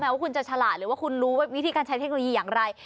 ว่าคุณจะฉลาดหรือว่าคุณรู้วิธีการใช้เทคโนโลยีอย่างไร